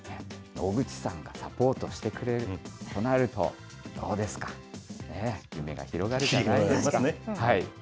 野口さんがサポートしてくれるとなると、どうですか、夢が広がるじゃないですか。